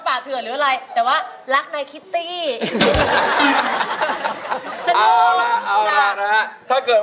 เอาจริงถามจริงเป็นจริงป่ะเนี่ย